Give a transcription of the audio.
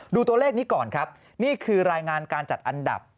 ตัวเลขนี้ก่อนครับนี่คือรายงานการจัดอันดับ